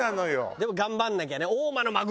でも頑張んなきゃね。